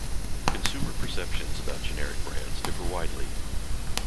Consumer perceptions about generic brands differ widely.